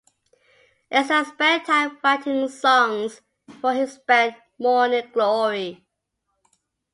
Ezra spent time writing songs for his band Morning Glory.